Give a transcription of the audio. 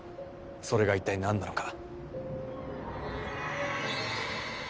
それが一体なんなのか。